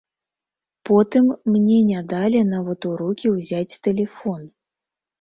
Потым мне не далі нават у рукі ўзяць тэлефон.